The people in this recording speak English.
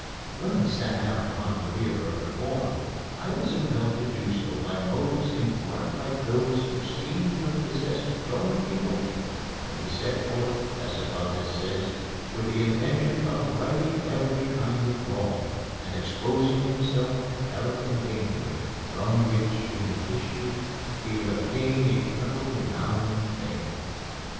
When I set out upon a career of reform, I was impelled to do so by motives in part like those which seem to have possessed Don Quixote when he set forth, as Cervantes says, with the intention "of righting every kind of wrong, and exposing himself to peril and danger, from which in the issue he would obtain eternal renown and fame."